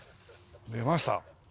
出ました。